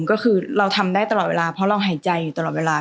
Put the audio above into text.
ก็คือเราทำได้ตลอดเวลาเพราะเราหายใจอยู่ตลอดเวลา